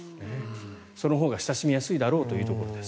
そのほうが親しみやすいだろうというところです。